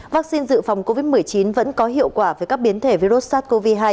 vaccine dự phòng covid một mươi chín vẫn có hiệu quả với các biến thể virus sars cov hai